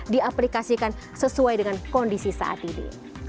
di aplikasikan sesuai dengan kondisi saat ini